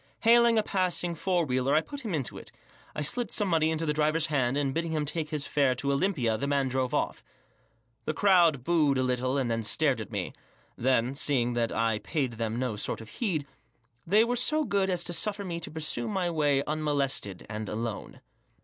Hailing a passing four wheeler i put him into it, I slipped some money into the drivel hand, and* bidding him take his fare to Olympia, the man drove off, The crowd booed a little, and then stared at me. Then, seeing that I paid them no sort of heed, they were so good as Xq suffer me to pursue my way unmolested and alone.